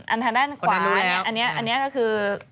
อันทางด้านขวาอันนี้ก็คือคุณไหนอันนั้นรู้แล้ว